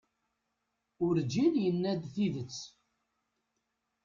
Urǧin yenna-d tidet.